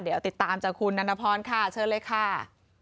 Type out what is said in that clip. เดี๋ยวติดตามจากคุณนันทพรค่ะเชิญเลยค่ะ